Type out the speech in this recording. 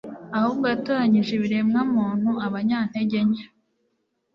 ahubwo yatoranije ibiremwa muntu abanyantege nke